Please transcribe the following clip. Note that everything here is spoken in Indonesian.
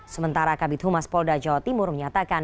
sementara kabit humas polda jawa timur menyatakan